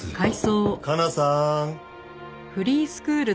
加奈さん。